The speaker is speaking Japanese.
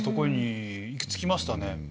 行き着きましたね。